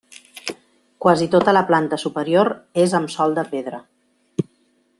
Quasi tota la planta superior és amb sòl de pedra.